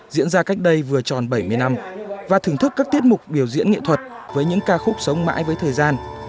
diễn ra cách đây vừa tròn bảy mươi năm và thưởng thức các tiết mục biểu diễn nghệ thuật với những ca khúc sống mãi với thời gian